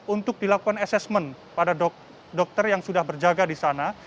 untuk dilakukan assessment pada dokter yang sudah berjaga di sana